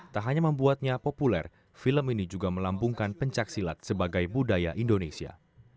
tak hanya membuatnya populer film ini juga melambungkan pencaksilat sebagai budaya indonesia